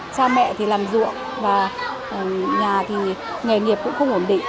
cha mẹ thì làm ruộng và nhà thì nghề nghiệp cũng không ổn định